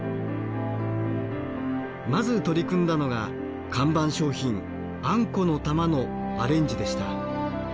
まず取り組んだのが看板商品あんこの玉のアレンジでした。